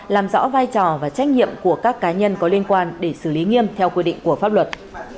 làm rõ vai trò và trách nhiệm của các cá nhân có liên quan để xử lý nghiêm theo quy định của pháp luật